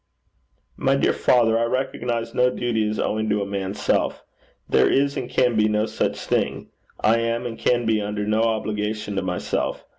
'My dear father, I recognize no duty as owing to a man's self. There is and can be no such thing. I am and can be under no obligation to myself.